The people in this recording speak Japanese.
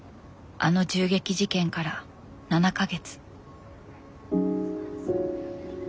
あの銃撃事件から７か月。